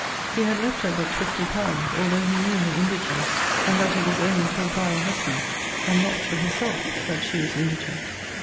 He had left her but fifty pounds, although he knew her indigence; and that it was owing to a vile husband, and not to herself, that she was indigent.